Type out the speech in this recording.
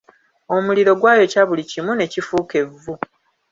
Omuliro gwayokya buli kimu ne kifuuka evvu.